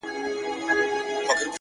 • مړه راگوري مړه اكثر؛